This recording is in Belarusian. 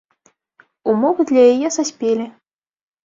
Умовы для яе саспелі.